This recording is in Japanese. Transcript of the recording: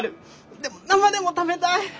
でも生でも食べたい！